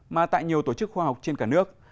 mà tại nhiều tổ chức khoa học trên cả nước